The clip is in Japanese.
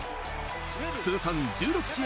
通算１６試合